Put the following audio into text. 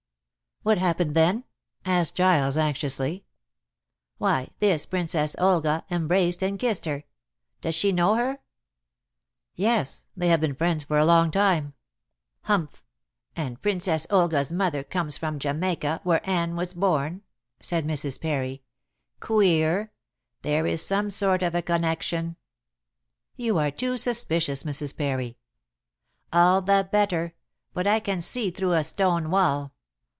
"What happened then?" asked Giles anxiously. "Why, this Princess Olga embraced and kissed her. Does she know her?" "Yes. They have been friends for a long time." "Humph! and Princess Olga's mother comes from Jamaica, where Anne was born," said Mrs. Parry. "Queer. There is some sort of a connection." "You are too suspicious, Mrs. Parry." "All the better. But I can see through a stone wall.